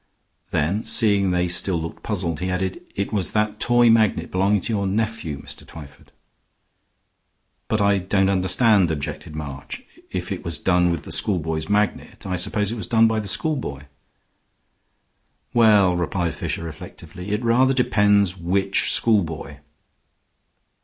Then, seeing they still looked puzzled, he added, "It was that toy magnet belonging to your nephew, Mr. Twyford." "But I don't understand," objected March. "If it was done with the schoolboy's magnet, I suppose it was done by the schoolboy." "Well," replied Fisher, reflectively, "it rather depends which schoolboy."